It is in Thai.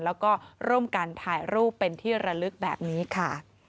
แล้วก็ร่วมกันถ่ายรูปเป็นที่ระลึกแบบนี้ค่ะ